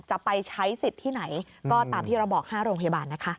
จะไปใช้สิทธิ์ที่ไหนก็ตามที่เราบอก๕โรงพยาบาลนะคะ